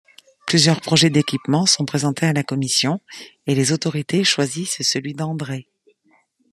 Plusieurs projets d'équipements sont présentés à la commission, et les autorités choisissent celui d’André.